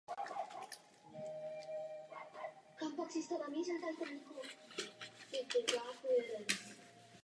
Lodyžní list je obvykle jediný.